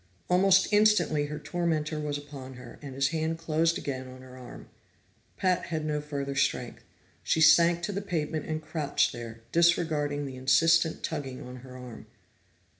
Almost instantly her tormentor was upon her, and his hand closed again on her arm. Pat had no further strength; she sank to the pavement and crouched there, disregarding the insistent tugging on her arm.